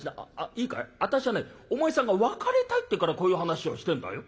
いいかい私はねお前さんが別れたいって言うからこういう話をしてんだよ」。